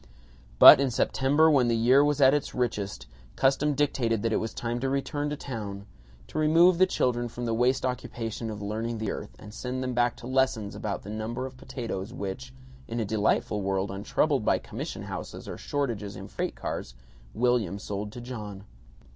But in September, when the year was at its richest, custom dictated that it was time to return to town; to remove the children from the waste occupation of learning the earth, and send them back to lessons about the number of potatoes which (in a delightful world untroubled by commission houses or shortages in freight cars) William sold to John.